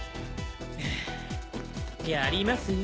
ハァやりますよ